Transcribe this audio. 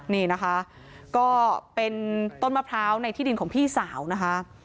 นี่นะคะก็เป็นต้นมะพร้าวในที่ดินของพี่สาวนะคะ